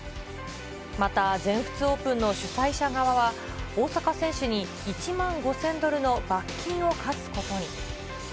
また全仏オープンの主催者側は、大坂選手に１万５０００ドルの罰金を科すことに。